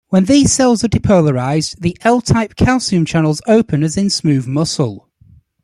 When these cells are depolarized, the L-type calcium channels open as in smooth muscle.